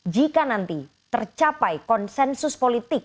jika nanti tercapai konsensus politik